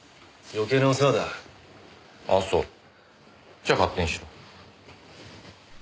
じゃあ勝手にしろ。